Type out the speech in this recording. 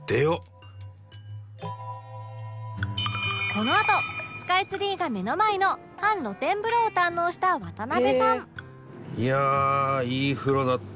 このあとスカイツリーが目の前の半露天風呂を堪能した渡辺さん